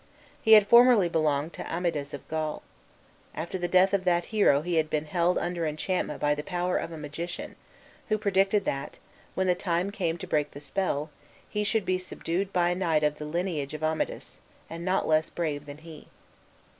He had formerly belonged to Amadis of Gaul. After the death of that hero he had been held under enchantment by the power of a magician, who predicted that, when the time came to break the spell, he should be subdued by a knight of the lineage of Amadis, and not less brave than he.